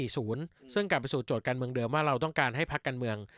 ซึ่งการพิสูจนโจทย์การเมืองเดิมว่าเราต้องการให้พักการเมือง